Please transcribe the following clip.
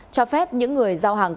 cho phép những người sẽ được xét nghiệm